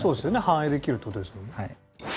反映できるって事ですもんね。